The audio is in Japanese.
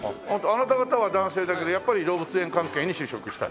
あなた方は男性だけどやっぱり動物園関係に就職したい？